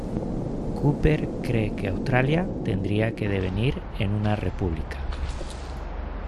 Cooper cree que Australia tendría que devenir en una república.